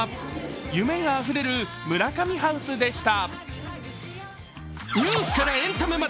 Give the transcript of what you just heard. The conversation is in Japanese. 夢があふれる村神ハウスでした。